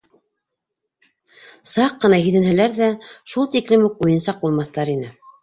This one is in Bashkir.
Саҡ ҡына һиҙенһәләр ҙә, шул тиклем үк уйынсаҡ булмаҫтар ине.